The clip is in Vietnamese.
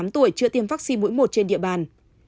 tuổi chưa tiêm vaccine mỗi một trên địa bàn